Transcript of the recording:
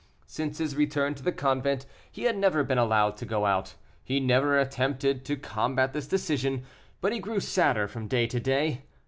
Since his return to the convent, he had never been allowed to go out. He never attempted to combat this decision, but he grew sadder from day to day.